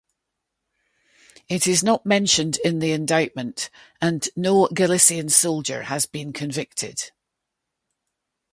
It is not mentioned in the indictment and no Galician soldier has been convicted.